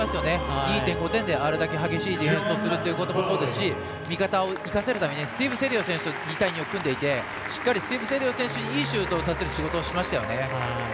２．５点であれだけ激しいディフェンスをするのもそうですし味方を生かせるためにスティーブ・セリオ選手と２対２を組んでいていいシュートを打たせる仕事をしましたよね。